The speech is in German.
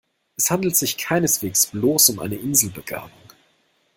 Es handelt sich keineswegs bloß um eine Inselbegabung.